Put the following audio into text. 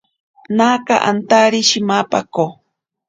Naaka antari shimapako.